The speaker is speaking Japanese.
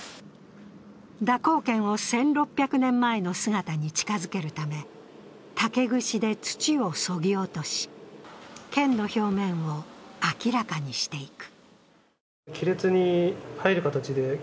蛇行剣を１６００年前に姿に近づけるため、竹串で土をそぎ落とし、剣の表面を明らかにしていく。